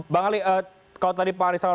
bang ali kalau tadi pak arisrawan